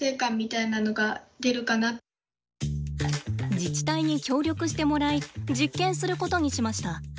自治体に協力してもらい実験することにしました。